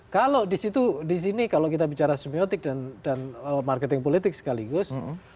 kalau di sini kalau kita bicara semiotik dan marketing politik sekaligus